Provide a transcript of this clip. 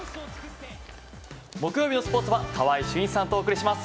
木曜日のスポーツは川合俊一さんとお送りします。